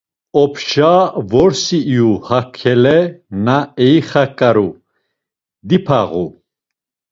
Opşa vorsi iyu hakele na eixaǩaru, dipağu.